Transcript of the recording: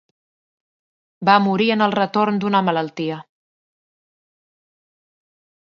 Va morir en el retorn d'una malaltia.